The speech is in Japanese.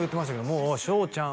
「もう翔ちゃんは」